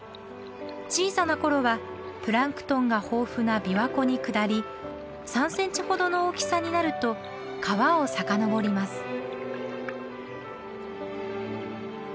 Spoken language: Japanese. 小さな頃はプランクトンが豊富な琵琶湖に下り３センチほどの大きさになると川を遡ります。